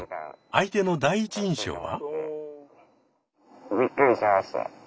相手の第一印象は？